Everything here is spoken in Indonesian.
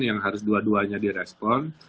yang harus dua duanya di respon